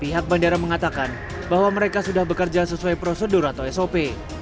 pihak bandara mengatakan bahwa mereka sudah bekerja sesuai prosedur atau sop